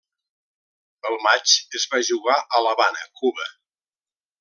El matx es va jugar a l'Havana, Cuba.